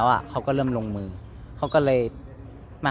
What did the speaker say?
เวลาที่สุดตอนที่สุด